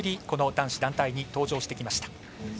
この男子団体に登場してきました。